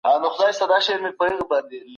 بایزید روښان او د هغه کورنۍ څلور پښته.